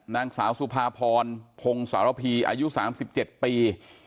นางสาวสุภาพรพงศาลพีอายุสามสิบเจ็ดปี